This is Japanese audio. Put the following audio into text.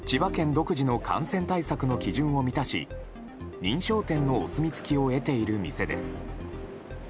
独自の感染対策の基準を満たし認証店のお墨付きを得ている店です。